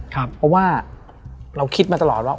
เพราะว่าเราคิดมาตลอดว่า